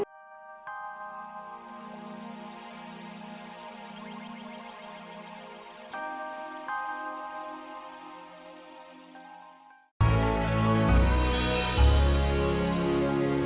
kamu harus tinggal di rumah